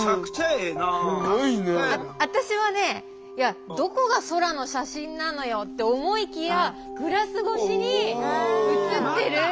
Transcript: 私はねいやどこが空の写真なのよって思いきやグラス越しに映ってる。